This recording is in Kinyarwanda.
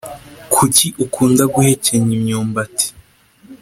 Kuki ukunda guhekenya imyumbati